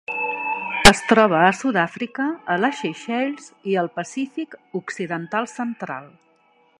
Es troba a Sud-àfrica, a les Seychelles i al Pacífic occidental central.